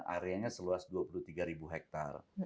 area nya seluas dua puluh tiga hektar